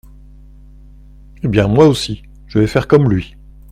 Eh bien, moi aussi, je vais faire comme lui.